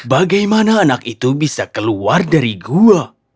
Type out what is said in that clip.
bagaimana anak itu bisa keluar dari gua